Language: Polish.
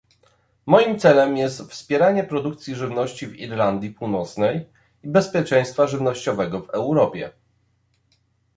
Moim celem jest wspieranie produkcji żywności w Irlandii Północnej i bezpieczeństwa żywnościowego w Europie